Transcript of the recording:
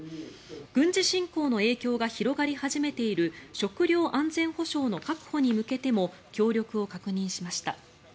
軍事侵攻の影響が広がり始めている食料安全保障の確保に向けても協力を確認しました。